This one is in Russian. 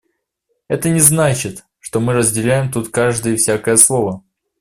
Это не значит, что мы разделяем тут каждое и всякое слово.